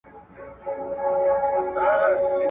پوهه د خلکو ترمنځ د هدفونو یووالی رامنځ ته کوي.